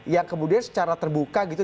yang kemudian secara terbuka gitu